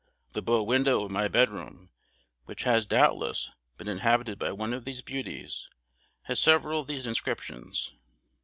The bow window of my bedroom, which has, doubtless, been inhabited by one of these beauties, has several of these inscriptions.